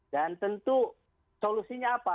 dan tentu solusinya apa